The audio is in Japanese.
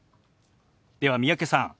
では三宅さん